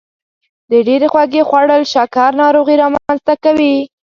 د ډیرې خوږې خوړل شکر ناروغي رامنځته کوي.